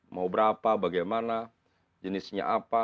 mau berapa bagaimana jenisnya apa